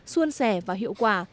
xuân sẻ và hiệu quả